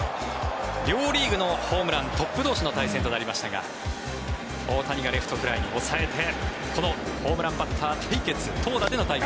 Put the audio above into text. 両リーグのホームラントップ同士の対戦となりましたが大谷がレフトフライに抑えてこのホームランバッター対決投打での対決。